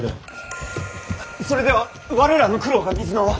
それでは我らの苦労が水の泡。